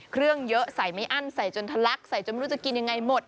เครื่องเยอะใส่ไม่อั้นใส่จนทะลักใส่จนไม่รู้จะกินยังไงหมด